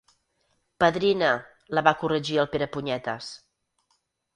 Padrina —la va corregir el Perepunyetes.